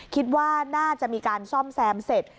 คิดว่าน่าจะมีการซ่อมแซมเสร็จ